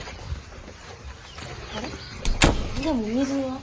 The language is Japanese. あれでも水は？